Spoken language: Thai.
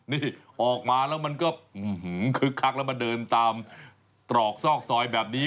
นี่ออกมาแล้วมันก็คึกคักแล้วมาเดินตามตรอกซอกซอยแบบนี้